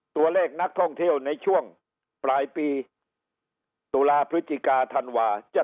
ตัวเลขนักท่องเที่ยวในช่วงปลายปีตุลาพฤศจิกาธันวาจะ